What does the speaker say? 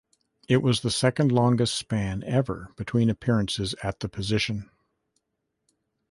It was the second-longest span ever between appearances at the position.